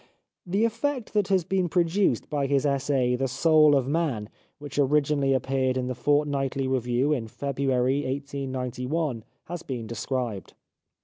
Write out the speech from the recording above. The effect that has been produced by his essay " The Soul of Man," which originally appeared in The Fortnightly Review in February 1891, has been described.